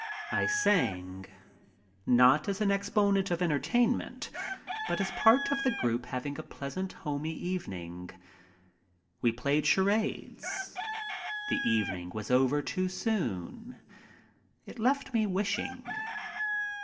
I sang. Not as an exponent of entertainment, but as part of the group having a pleasant, homey evening. We played charades. The evening was over too soon. It left me wishing.